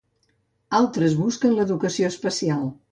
Altres busquen l'educació especial.